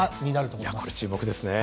これ注目ですね。